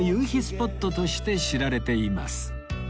スポットとして知られています